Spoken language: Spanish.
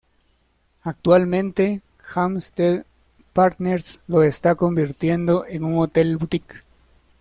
Actualmente, Hampstead Partners lo está convirtiendo en un hotel boutique.